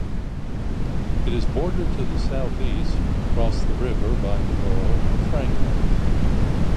It is bordered to the southeast, across the river, by the borough of Franklin.